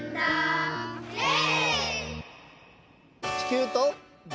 イエーイ！